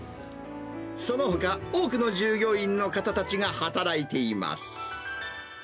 そのほか、多くの従業員の方々が働いています。